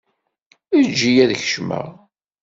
Eǧǧ-iyi ad kecmeɣ.